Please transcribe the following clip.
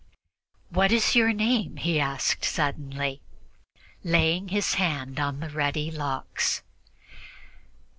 "What is your name?" he asked suddenly, laying his hand on the ruddy locks.